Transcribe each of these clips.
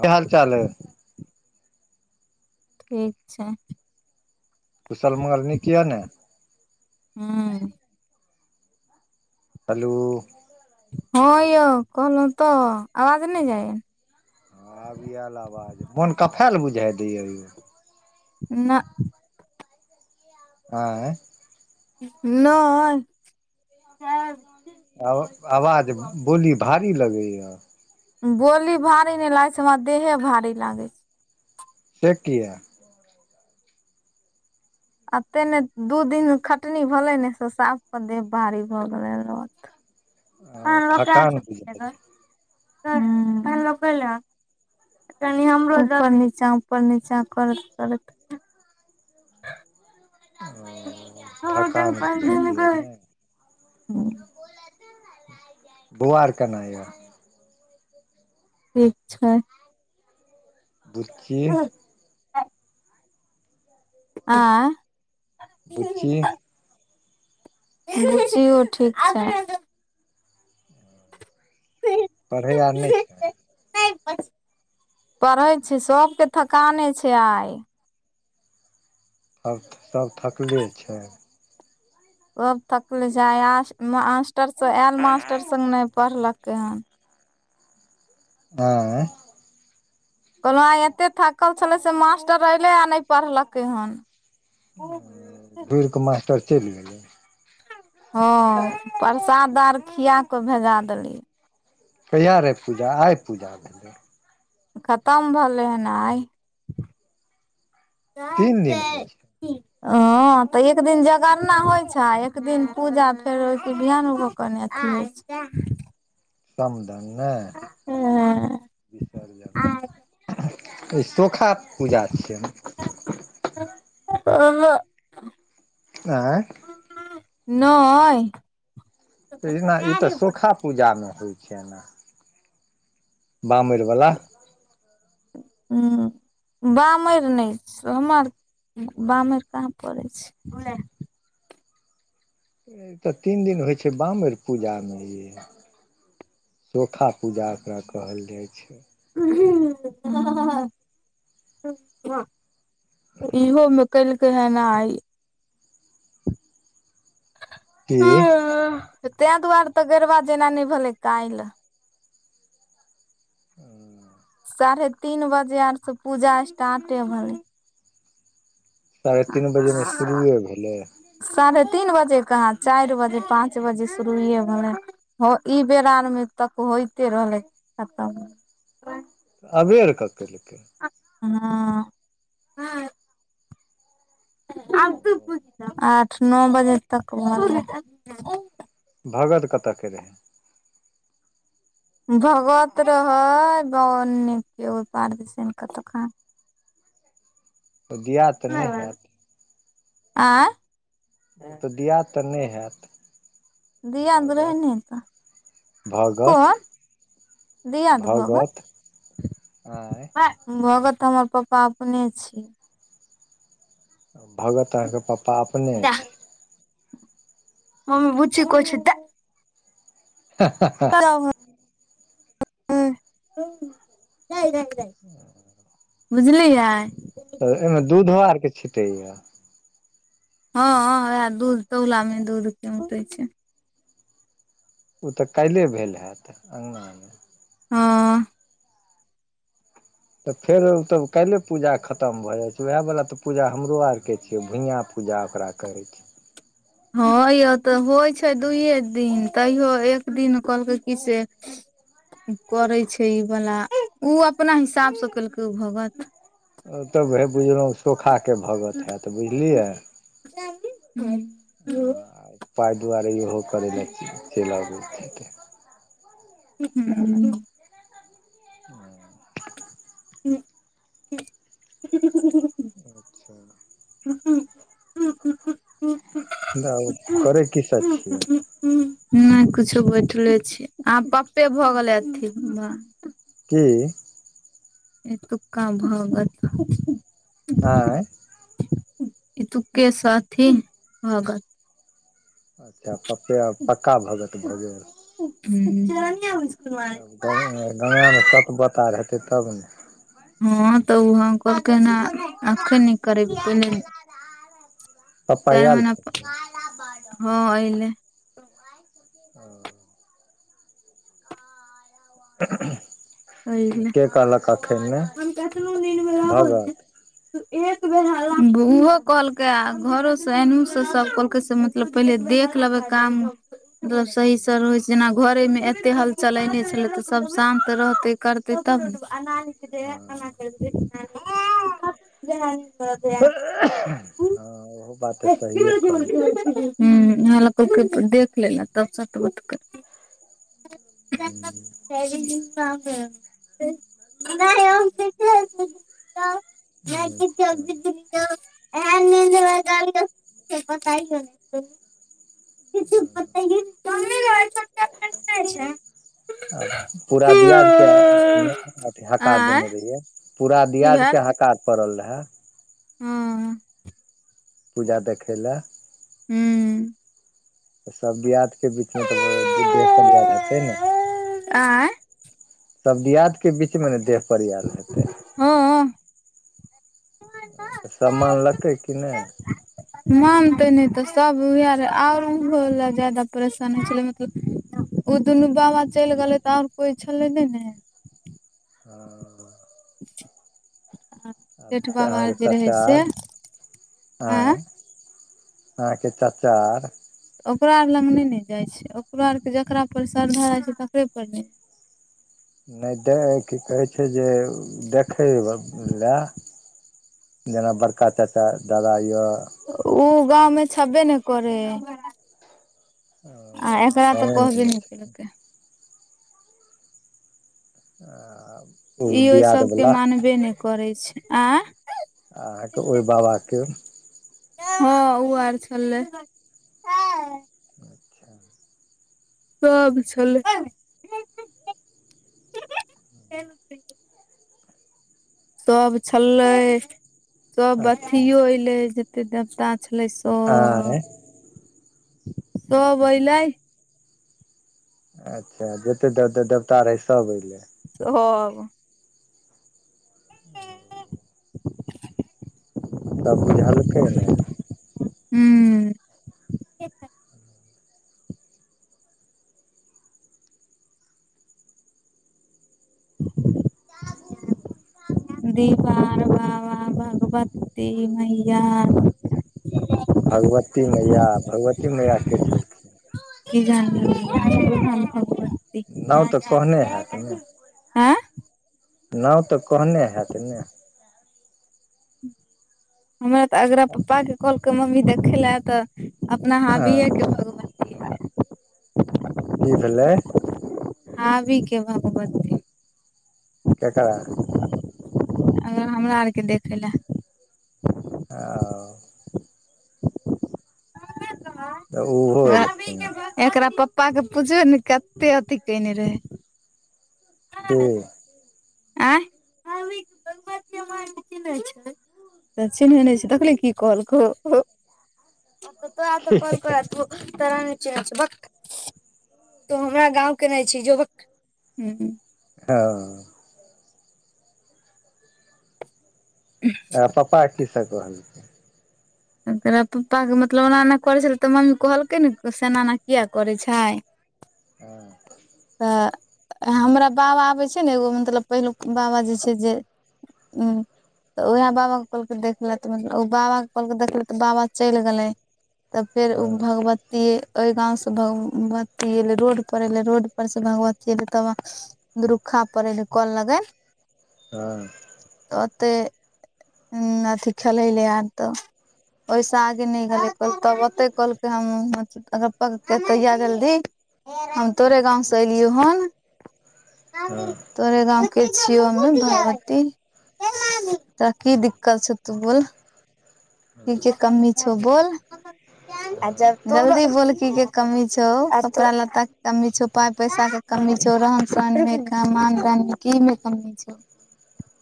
कि हाल चाल अइ ठीक छय कुशल मंगल नीक यऽ ने हूँऽ हेलो हँ यौ कहलौं तऽ आवाज ने जाइया आब याल आवाज मन कफायल बुझाइ दैया यौ नऽ एं नय आ आवाज बोली भारी लगयि बोली भारी नय लागै छै हमरा देहे भारी लागै छै से किया अतेने दू दिन खटनी भेलै ने से साफकेँ देह भारी भऽ गेलै लोथ ओ पनि लऽ के आयल थकान बुझाइ छलै दैये, हूं पनि लो केँ अलय हन कनि हमरो द उपर नीचाँ उपर नीचाँ करति करति ओऽ थकान बुझायत कि नय बौआ आर केना ये ठीक छै बुच्चि आँय बुच्ची [unintelligible] बुच्चियो ठीक छै पढ़ै आर नय छै पढ़ै छै सभके थकाने छै आइ आब तऽ सभ थकले छै सभ थकले छै आइ आयल मास्टर सऽ आयल मास्टर सँ नहि पढ़लकै हन आई कहलहुँ आइ एते थकल छलै से मास्टर एलै आ नहि पढ़लकै हन घुईर कऽ मास्टर चलि गेल हँ प्रसाद आर खिया कऽ भेजा देलियै कहिया रहे पूजा आइ पूजा भेलै खतम भेलै हन आइ तीन दिन होइ छै हां तऽ एक दिन जगरना होइ छै एक दिन पूजा फेर बिहान भऽ कऽ नऽ अथि [unintelligible] समदन नहि होइ बिसर्जन ई सोखाकेँ पूजा छियै [unintelligible] आँय नएय तहिना ई तऽ सोखा पूजा मे होइ छै नऽ बामैर बला हूँ बामेर नहि छै हमर बामेर कहाँ पड़े छै ई तऽ तीन दिन होइ छै बामेर पूजामें यै [unintelligible] पूजा एकरा कहल जाइ छै [unintelligible] इहोमें कलक हन आइ कि तेहि दुआरे तऽ गरबा जेनानि भेलै कायल साढ़े तीन बजे आर से पूजा स्टार्टे भेलै साढ़े तीन बजेमें शुरुए भेलै साढ़े तीन बजे कहाँ चारि बजे पाँच बजे शुरूए भेलै हं ई बेरआरमे तक होइते रहलै खतम अबेर कऽ केल्कै हँ [unintelligible] आठ नओ बजे तक भऽ गेलै भगत कतयके रहै। भगत रहै ब ओने के ओर पार दिसन के। दियात। । [unintelligible] आय ओ तऽ दियाद तऽ नहि हैत। दियाद रहे भगत नेताऽ भगत कोन। दियाद भगत। आँय [unintelligible] भगत हमर पापा अपने छी। भगत अहाँके पपापा अपने छि। हमर बुच्ची कहे छिय देय [unintelligible] [inaudible] बुझलियियै। तऽ एहिमे दूधो आर कऽ छिटैया। हँ ह वहै दूध तौला में दूध औउटैय छैय। ओ तऽ काल्हिए भेल हैत अंगना में हऽ तऽ फेर तऽ काइलै पूजा खतम भऽ जाइ छै उएह बला त पूजा हमरो आर के छियै भुइया पूजा ओकरा‌ कहै छै हँ यौ तऽ होइ छै दुइयए दिन तैयो एक दिन कहलकै की से। करै छै ई वला ओ अपना हिसाबसँ केलकै उ भगत। ओ तब भेय बुझलौ सोखा केँ भगत है तऽ बुझलियै। [unintelligible] ह पाइ दुआरे इहो करै लऽ चैन आबैत हेतै [unintelligible] [unintelligible] [unintelligible] । [unintelligible] [unintelligible] [unintelligible] करे की सब छियै नै कछो बैठले छी आब पपे भऽ गेलै अथी की। एतुक्का भगत। आई एतुके सह एथिन भगत। अच्छा पप्पे पक्का भगत भऽ गेल। [unintelligible] आब गंगा में सत पत हेतै तब न हँ तऽ ओह कहलकै ह एखन न करेब पहिने [inaudible] पप्पा चार आयल महिना पर छथिन [inaudible] हँ अलैय। [unintelligible] अयलै। [unintelligible] केँ कहलक एखन नै [inaudible] भगत। [unintelligible] ओहो कहलकै आ घरोसँ एन से सभ कहलकै। पहिले देख लेबै काम। मतलब सही स रहे छै जेना घरे मे एते हल चलेने छले ते सब शान्त रहते। करतैय तब हँ न हँ [unintelligible] [unintelligible] ओहो बात तऽ सहिए कहलक। ओ हे लऽ कहलकै पहिले देख लेल तब सत बत [unintelligible] [unintelligible] [unintelligible] अच्छा [unintelligible] [unintelligible] आ पूरा दियाद केँ आ नोत अथी हकार आँय देने रहियै पूरा दियाद केँ हकार पड़ल रहै [unintelligible] पूजा देखै लऽ हु त सब दियाद के बीच मे तऽ देह क याद हेतै ने सब दियाद के बीच मे ने देह परियाल हेतै हूं त सब मानलकै की नय [unintelligible] मानतै नय तऽ सब उहे ले आओ उहो ल जादा परेशान होइ छलै मतलब उ दुनू बाबा चलि गेलै तऽ आओर कोइ छलै नय ने [unintelligible] जेठ बाबा आर अहाँके जे रहै चचा से आर एँ अहाँ के चच्चा आर ओकरा आर लग नय ने जाइ छै ओकरो आरके जकरा पर शरधा रहय छै तकरे पर ने जाय छै नय देऽ की कहै छै जे देखबि लए जेना बड़का चच्चा दादा यऽ उ गाँव मे छबे नय करै आ एकरा तऽ कहबे गाँवेमे नय छथिन केलकै [unintelligible] ई ओय दियाद सबके बला मानबे नय करै छै आंय अहाँके ओय बाबाके हँ उ आर छलै सब छलै सब छल्लै सब अच्छा अथियो एलै जते देवता छलै से आंय तब अइलै अच्छा जते दे देवता रहै सभ ऐलै हँ तब बुझलकय ने हूं [unintelligible] दीवार बाबा भगवती मैया भगवती मैया भगवती मैया के छलखिन की जानि [unintelligible] नाउ तऽ कहने हति ने ऐँ नाउ तऽ कहने हेऽत ने हमरा तऽ अगरा पप्पा के कहलकय मम्मी देखै लए तऽ अपना हाँ बी हँ ए के [unintelligible] की भेलै हाबिके भगवती केकरा अगर हमरा आरके देखै लए ओ [unintelligible] [unintelligible] तऽ ओहो एलखिन एकरा पप्पा के पूछबै ने कते अथी कने रहै कि एं [unintelligible] तऽ चिन्हे नै छै देखलिही की कहलकौ तऽ ता कहलको रहे तोरा नै चिन्है छियै बक तो हमरा गाँव के नै छी जो [inaudible] भक। हँ अकरा पापा किय सब कहलकै एकरा पप्पाके मतलब ओना एना करै छलै तऽ मम्मी कहलकै ने से एना एना किएक करै छै। हऽ तऽ हमरा बाबा आबै छै ने एगो मतलब पहिलुक बाबा जे छै जे। हु तऽ उएह बाबा कहलक देखल त मतलब ओ बाबा। कहलकै देखलै तऽ बाबा चैल गेलै तब फेर ओ हँ भगवती। ती ओइ गाँव से भगवती एयलै रोड पर एयलै रोड पर से भगवती एयलै तब दुरखा पर ऐने कोल लगन। हँ। तऽओत [inaudible] हु खेले लले आ। तऽ आइस आगे नै गेलै तब ओतै कहलकै हम म। अर पकके तहिआ जल्दी हम तोरे गाँव से एलियौ हन। [unintelligible] हँ तोरे गाँव के छियौ हममे भगवती। तोरा की दिक्कत छौ तू बोल। की केँ कमी छौ बोल। [unintelligible] जल्दी बोलकी केँ कमी छौ कपड़ा लत्ता केँ कमी छौ पाइ पैसा के। कमी छौ रहन सहन मे काम स मे क मे कमी छौ।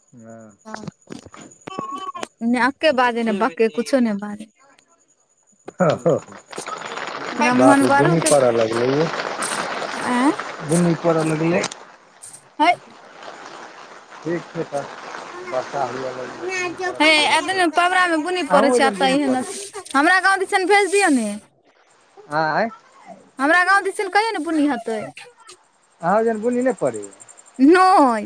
ह [unintelligible] नै अके बाजे नै बके कुछो ने बाजे। [unintelligible] [unintelligible] ब्राह्मण [unintelligible] बड़ू के आँय बुनी पर लगलै है ठीक छै तब हे एते ने पबरा मे बुनी पड़ै छै एतऽ एहन [unintelligible] अथी हमरा गाँव दिसन भेज दियो ने। हाई हमरा गाँव दिसन कहिय ने बुन्नी हेतै। अहाँ ओजन बुन्नी नै पड़ै यऽ नै।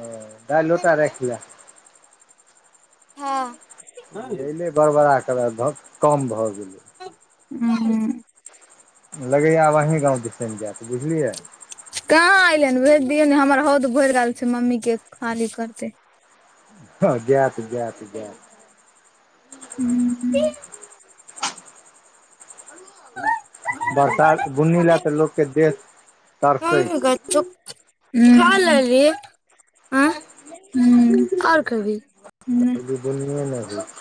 ओ दैय लोटा रखा लै हँ अले बड़बड़ा कऽ भऽ कम भऽ गेलै। [unintelligible] लगैया आब अही गाँव दिसन जायत बुझलियै। कहाँ ऐले है भेज दिय न हमर हौद भैर गेल छै मम्मी केँ खाली करते। हँ जैत जैत जैत [unintelligible] [unintelligible] बरसात बुन्नी लए तऽ लोक केँ देश [unintelligible] आ हु आओर कहबी। [unintelligible]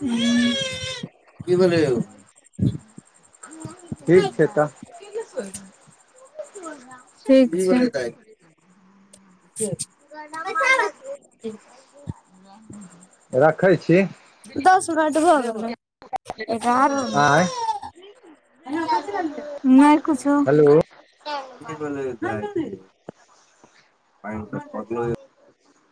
[unintelligible] कि भैलैय यौव। ठीक छै तऽ। [unintelligible] [unintelligible] ठीक छैय। रखैय छी। दस मिनट भऽ गेलये एगारह। आँय [unintelligible] नहि कुछौ। हेलो [unintelligible]